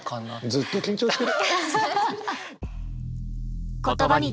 ずっと緊張してる。